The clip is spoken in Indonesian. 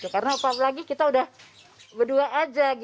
karena apalagi kita sudah berdua saja